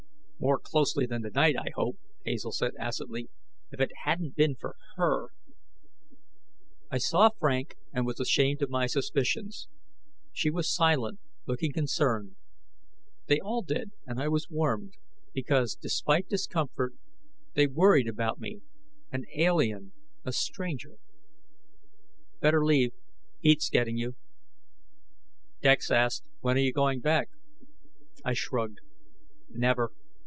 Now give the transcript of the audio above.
"More closely than tonight, I hope," Hazel said acidly. "If it hadn't been for her...." I saw Frank, and was ashamed of my suspicions. She was silent, looking concerned. They all did, and I was warmed. Because, despite discomfort, they worried about me, an alien, a stranger. "Better leave. Heat's getting you." Dex asked, "When are you going back?" I shrugged. "Never.